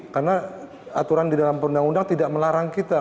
karena aturan di dalam perundang undang tidak melarang kita